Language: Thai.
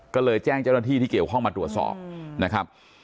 ก็เลยแจ้งเจ้าหน้าที่ที่เกี่ยวข้องมาตรวจสอบนะครับ